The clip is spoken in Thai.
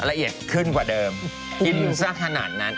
ละเอียดขึ้นกว่าเดิมกินสักขนาดนั้น